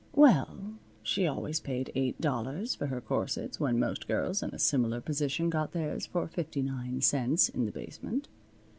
Well, she always paid eight dollars for her corsets when most girls in a similar position got theirs for fifty nine cents in the basement.